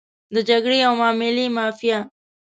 د جګړې او معاملې مافیا.